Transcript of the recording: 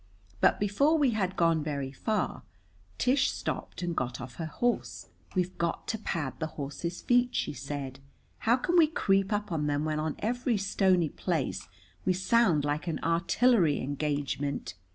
But before we had gone very far, Tish stopped and got off her horse. "We've got to pad the horses' feet," she said. "How can we creep up on them when on every stony place we sound like an artillery engagement?"